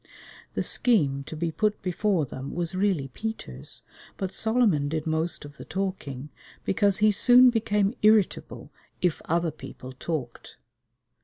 The scheme to be put before them was really Peter's, but Solomon did most of the talking, because he soon became irritable if other people talked.